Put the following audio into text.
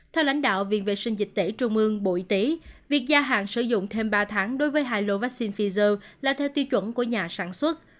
theo lãnh đạo viện vệ sinh dịch tễ trung ương bộ y tế việc gia hạn sử dụng thêm ba tháng đối với hai lô vaccine pfizer là theo tiêu chuẩn của nhà sản xuất